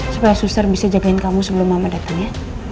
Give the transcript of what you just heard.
supaya suster bisa jagain kamu sebelum mama datang ya